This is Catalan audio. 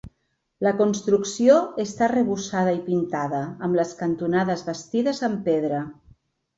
La construcció està arrebossada i pintada, amb les cantonades bastides en pedra.